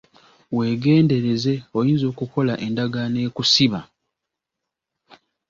Weegendereze, oyinza okukola endagaano ekusiba.